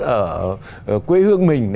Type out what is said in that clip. ở quê hương mình